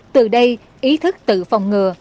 từ đây ý thức tự phòng ngừa